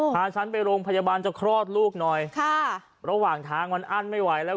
พาฉันไปโรงพยาบาลจะคลอดลูกหน่อยค่ะระหว่างทางมันอั้นไม่ไหวแล้ว